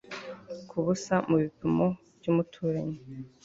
Kubusa mubipimo byumuturanyi